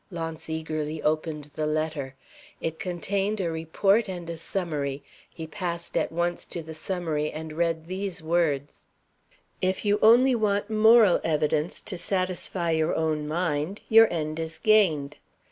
Launce eagerly opened the letter. It contained a Report and a Summary. He passed at once to the Summary, and read these words: "If you only want moral evidence to satisfy your own mind, your end is gained.